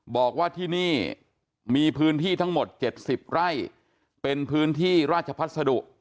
บอกว่าที่นี่มีพื้นที่ทั้งหมด๗๐ไร่เป็นพื้นที่ราชพัสดุ